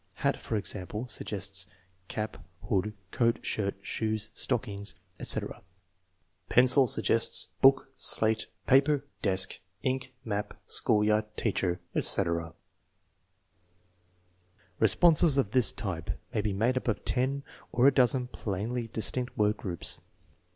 Hat, for example, suggests cap, hood, coat, shirt, shoes, stockings, etc. Pencil suggests book, slate, paper, desk, ink, map, school yard, teacher, etc. Responses of this type may be made up of ten or a dozen plainly distinct word groups.